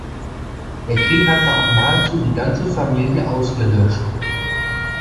Der Krieg hatte auch nahezu die ganze Familie ausgelöscht.